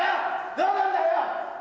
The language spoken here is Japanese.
どうなんだよ！